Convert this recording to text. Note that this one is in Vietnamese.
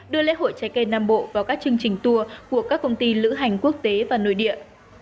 đưa lễ hội trái cây nam bộ vào các chương trình tour của các công ty lữ hành quốc tế và nội địa